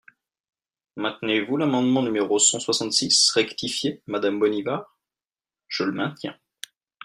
Maintenez-vous l’amendement numéro cent soixante-six rectifié, madame Bonnivard ? Je le maintiens.